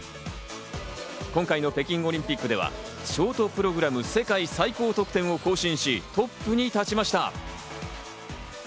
今回の北京オリンピックではショートプログラム世界最高得点を更新しト、ップに立ちました。